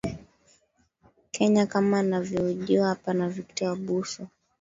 kenya kama anavyohojiwa hapa na victor abuso